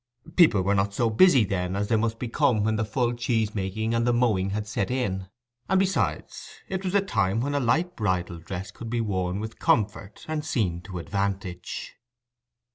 People were not so busy then as they must become when the full cheese making and the mowing had set in; and besides, it was a time when a light bridal dress could be worn with comfort and seen to advantage.